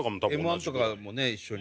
Ｍ−１とかもね一緒に。